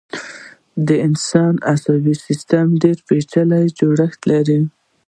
د انسان عصبي سيستم ډېر پيچلی جوړښت لري.